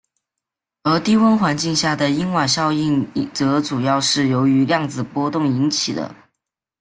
而低温环境下的因瓦效应则主要是由于量子波动引起的。